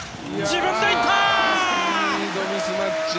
自分で行った！